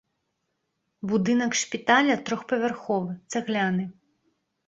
Будынак шпіталя трохпавярховы, цагляны.